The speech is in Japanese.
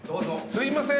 すいません。